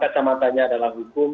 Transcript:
kacamatanya adalah hukum